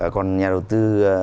còn nhà đầu tư